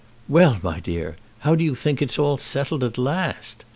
"Well, my dear, how do you think it's all settled at last?"